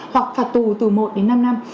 hoặc phạt tù từ một đến năm năm